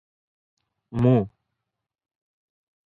ମୁଁ-